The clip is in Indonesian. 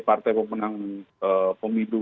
partai pemenang pemilu